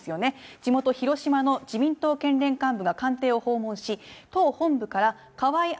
地元、広島の自民党県連幹部が官邸を訪問し、党本部から河井案